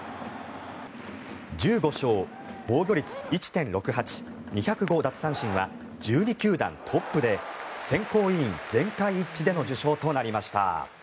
１５勝、防御率１．６８２０５奪三振は１２球団トップで選考委員全会一致での受賞となりました。